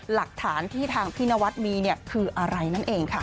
หลักฐานที่ทางพี่นวัดมีคืออะไรนั่นเองค่ะ